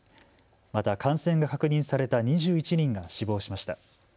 また感染が確認された２１人が死亡しました。